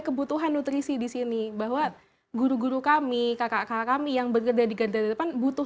kebutuhan nutrisi di sini bahwa guru guru kami kakak kami yang bergerda di gerda depan butuh